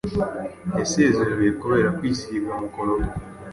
yasezerewe kubera kwisiga mukorogo